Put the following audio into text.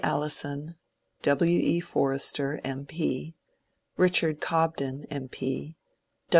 Alison, W. E. Forster M. P., Richard Cobden M.